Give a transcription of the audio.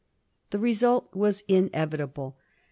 The result was inevitable.